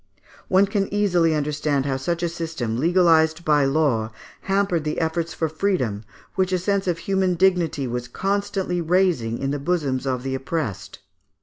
] One can easily understand how such a system, legalised by law, hampered the efforts for freedom, which a sense of human dignity was constantly raising in the bosoms of the oppressed.